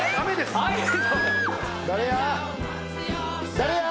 誰や？